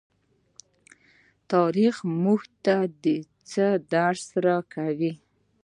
تاریخ موږ ته څه درس راکوي؟